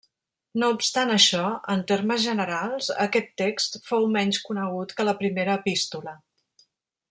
No obstant això, en termes generals, aquest text fou menys conegut que la primera epístola.